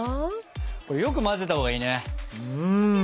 これよく混ぜたほうがいいね。